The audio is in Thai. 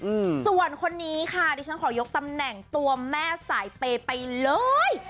อืมส่วนคนนี้ค่ะดิฉันขอยกตำแหน่งตัวแม่สายเปย์ไปเลย